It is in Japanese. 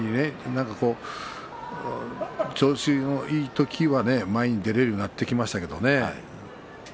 調子のいい時は前に出られるようになってきましたけれどもね。